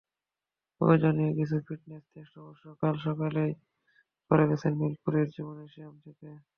প্রয়োজনীয় কিছু fitness test অবশ্য কাল সকালেই করে গেছেন মিরপুরের জিমনেসিয়াম থেকে।